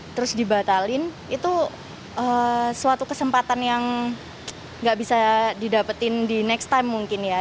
terus dibatalin itu suatu kesempatan yang gak bisa didapetin di next time mungkin ya